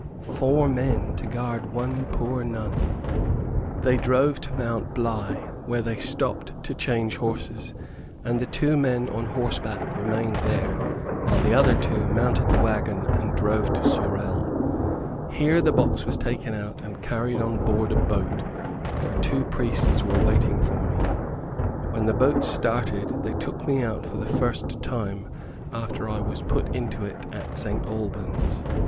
Four men to guard one poor nun! They drove to Mt. Bly, where they stopped to change horses, and the two men on horseback remained there, while the other two mounted the wagon and drove to Sorel. Here the box was taken out and carried on board a boat, where two priests were waiting for me. When the boat started, they took me out for the first time after I was put into it at St. Albans.